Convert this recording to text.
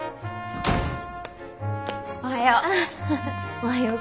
おはよう。